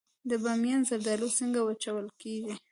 د بامیان زردالو څنګه وچول کیږي؟